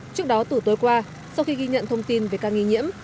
trước đó từ tối qua sau khi ghi nhận thông tin về ca nghi nhiễm